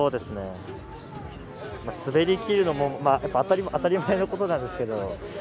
滑りきるのも当たり前のことなんですけど。